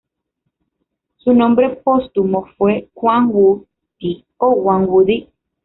Su nombre póstumo fue Kuang-wu ti o Guang Wu Di.